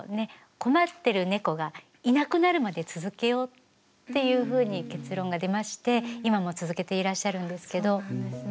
困ってる猫がいなくなるまで続けようっていうふうに結論が出まして今も続けていらっしゃるんですけど。